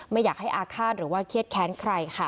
ไม่อยากให้อาฆาตหรือว่าเครียดแค้นใครค่ะ